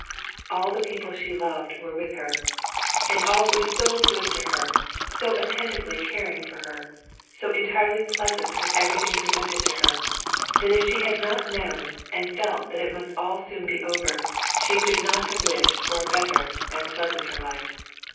All the people she loved were with her, and all were so good to her, so attentively caring for her, so entirely pleasant was everything presented to her, that if she had not known and felt that it must all soon be over, she could not have wished for a better and pleasanter life.